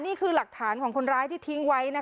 นี่คือหลักฐานของคนร้ายที่ทิ้งไว้